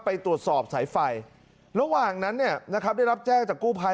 ไปตรวจสอบสายไฟระหว่างนั้นเนี่ยนะครับได้รับแจ้งจากกู้ภัย